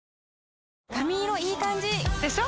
髪色いい感じ！でしょ？